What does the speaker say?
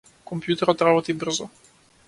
Компјутерот работи брзо.